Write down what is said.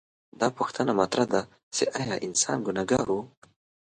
دا پوښتنه مطرح ده چې ایا انسان ګنهګار و؟